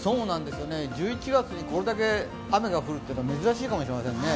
１１月にこれだけ雨が降るというのは珍しいかもしれませんね。